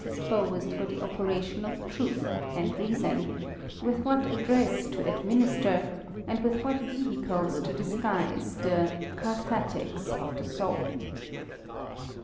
117 dispraed for the operation of truth and reason, with what address to administer, and with what vehicles to disguise i)u cathartieks of the soul.